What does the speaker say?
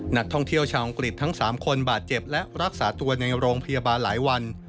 นักท่องเที่ยวชาวอังกฤษทั้ง๓คนบาดเจ็บและรักษาตัวในโรงพยาบาลหลายวัน